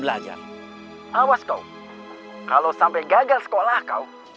belum bagus kak